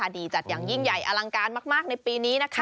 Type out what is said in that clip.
ดีจัดอย่างยิ่งใหญ่อลังการมากในปีนี้นะคะ